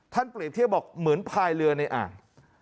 เปรียบเทียบบอกเหมือนพายเรือในอ่าง